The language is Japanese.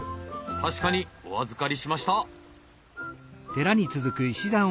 確かにお預かりしました。